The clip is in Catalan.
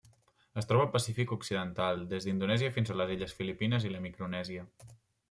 Es troba al Pacífic occidental: des d'Indonèsia fins a les illes Filipines i la Micronèsia.